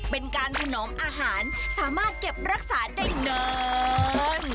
เป็นการถนอมอาหารสามารถเก็บรักษาได้นาน